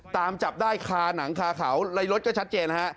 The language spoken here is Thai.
ตามจับได้คาหนังคาเขาในรถก็ชัดเจนฮะ